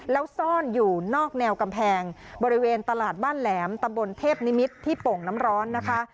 แล้วซ่อนอยู่นอกแนวกำแพงบริเวณตลาดบ้านแหลมตำบลเทพนิมิตรที่โป่งน้ำร้อนนะคะ